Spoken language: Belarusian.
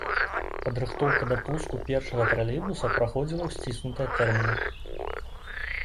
Падрыхтоўка да пуску першага тралейбуса праходзіла ў сціснутыя тэрміны.